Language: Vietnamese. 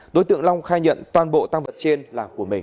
đối tượng long khai nhận toàn bộ tăng vật trên là của mình